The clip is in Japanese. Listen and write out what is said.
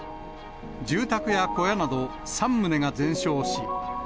住宅や小屋など３棟が全焼し。